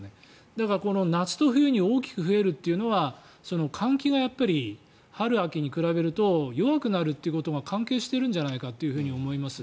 だから、夏と冬に大きく増えるというのは換気が春秋に比べると弱くなるということが関係してるんじゃないかって思います。